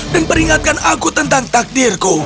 dan peringatkan aku tentang takdirku